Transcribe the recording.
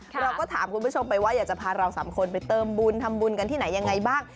เราก็ถามคุณผู้ชมไปว่าอยากจะพาเราสามคนไปเติมบุญทำบุญทำบุญกันที่ไหนยังไงบ้าง